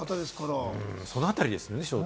焦点はそのあたりですよね。